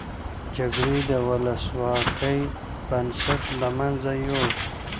جګړې د ولسواکۍ بنسټ له مینځه یوړ.